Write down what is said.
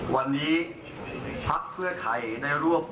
วันนี้ฟธิภาพฯฐัยได้รวม